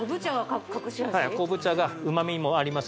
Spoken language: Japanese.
昆布茶が旨味もあります